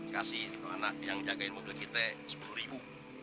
kasih anak yang jagain mobil kita sepuluh ribu